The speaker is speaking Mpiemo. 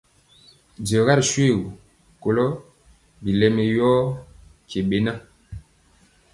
Diɔga ri shoégu, kɔlo bilɛmi yor tyebɛna.